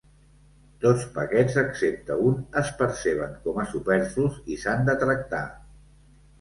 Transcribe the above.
Tots paquets excepte un es perceben com a superflus i s'han de tractar.